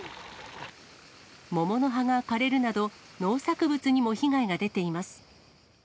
桃の葉が枯れるなど、農作物にも被害が出ています。